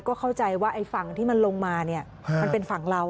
ก็เข้าใจว่าไอ้ฝั่งที่มันลงมาเนี่ยมันเป็นฝั่งเรา